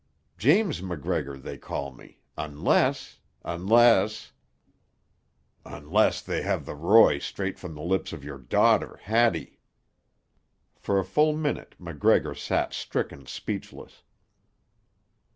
James MacGregor they call me, unless—unless——" "Unless they have the 'Roy' straight from the lips of your daughter, Hattie." For a full minute MacGregor sat stricken speechless.